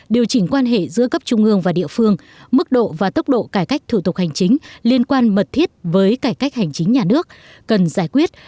điều chỉnh quan hệ giữa cấp trung ương và địa phương mức độ và tốc độ cải cách thủ tục hành chính liên quan mật thiết với cải cách hành chính nhà nước cần giải quyết